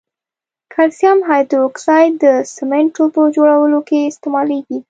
کلسیم هایدروکساید د سمنټو په جوړولو کې استعمالیږي.